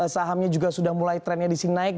sahamnya juga sudah mulai trennya disini naik